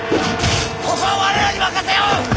ここは我らに任せよ！